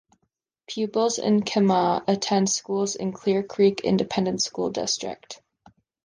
Pupils in Kemah attend schools in Clear Creek Independent School District.